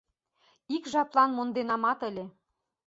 Ик жаплан монденамат ыле.